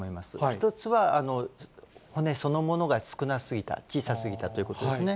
一つは骨そのものが少なすぎた、小さすぎたということですね。